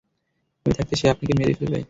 আমি থাকতে সে আপনাকে মেরে ফেলবে?